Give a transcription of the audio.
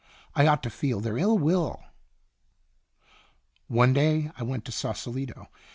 I ought to feel their ill will." One day I went to Saucelito.